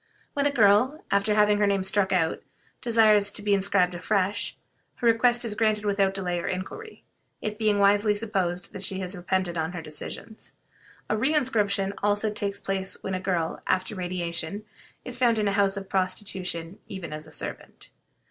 When a girl, after having her name thus struck out, desires to be inscribed afresh, her request is granted without delay or inquiry, it being wisely supposed that she has repented of her decision. A re inscription also takes place when a girl, after radiation, is found in a house of prostitution even as a servant.